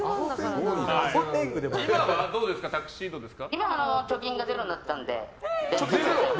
今は貯金がゼロになったので。